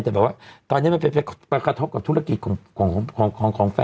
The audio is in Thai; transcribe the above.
แต่แบบว่าตอนนี้มันไปกระทบกับธุรกิจของแฟน